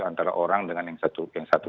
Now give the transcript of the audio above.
antara orang dengan yang satu